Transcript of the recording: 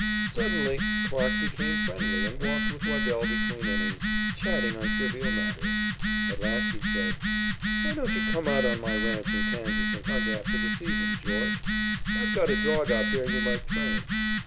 Suddenly Clarke became friendly and walked with Waddell between innings, chatting on trivial matters. At last he said: "Why don't you come out on my ranch in Kansas and hunt after the season, George? I've got a dog out there you might train."